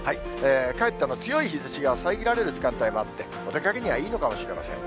かえって強い日ざしがさえぎられる時間帯もあって、お出かけにはいいのかもしれません。